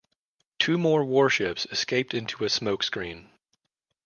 Two more warships escaped into a smoke screen.